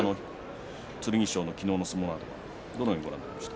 剣翔の昨日の相撲、どのようにご覧になりましたか？